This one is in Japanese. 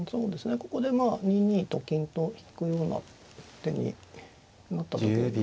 ここでまあ２二と金と引くような手になっただけでも。